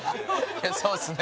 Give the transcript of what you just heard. そうですね。